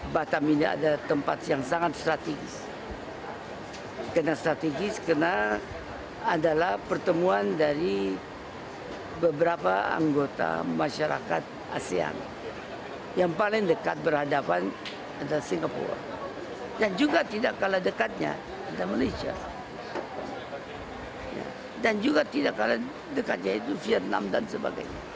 batam menjadi daerah yang maju di indonesia